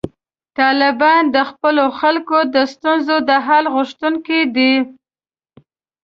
طالبان د خپلو خلکو د ستونزو د حل غوښتونکي دي.